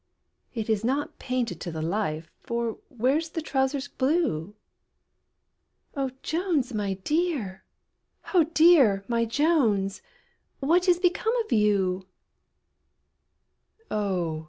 "It is not painted to the life, For where's the trowsers blue? Oh Jones, my dear! Oh dear! my Jones, What is become of you?" "Oh!